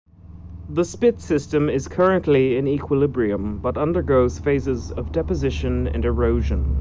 This spit system is currently in equilibrium but undergoes phases of deposition and erosion.